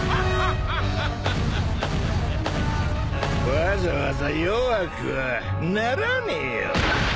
わざわざ弱くはならねえよ。